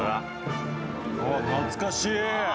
「あっ懐かしい！」